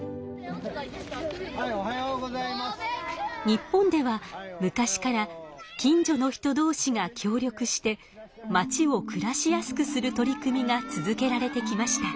日本では昔から近所の人どうしが協力してまちをくらしやすくする取り組みが続けられてきました。